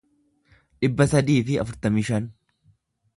dhibba sadii fi afurtamii shan